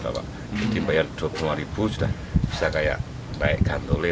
jadi bayar dua puluh lima ribu sudah bisa kayak gantole